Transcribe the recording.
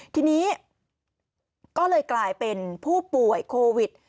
ทีนี้ก็เลยกลายเป็นผู้ป่วยโควิด